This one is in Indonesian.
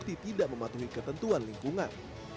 tidak mematuhi ketentuan lingkungan